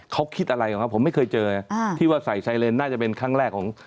เขาคิดอะไรของเขาผมไม่เคยเจอที่ว่าใส่ไซเรนน่าจะเป็นครั้งแรกของ